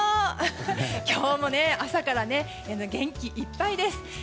今日も朝から元気いっぱいです。